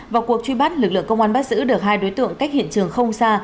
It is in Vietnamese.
vào cuộc truy bắt lực lượng công an bắt giữ được hai đối tượng cách hiện trường không xa